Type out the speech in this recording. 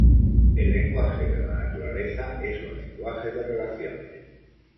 El lenguaje de la naturaleza es un lenguaje de relaciones.